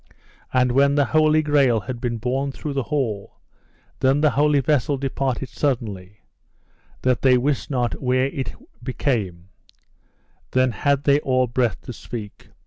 And when the Holy Grail had been borne through the hall, then the holy vessel departed suddenly, that they wist not where it became: then had they all breath to speak.